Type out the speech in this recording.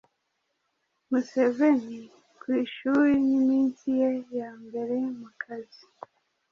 Museveni ku ishuri n’iminsi ye ya mbere mu kazi